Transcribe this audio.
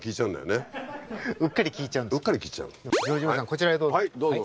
こちらへどうぞ。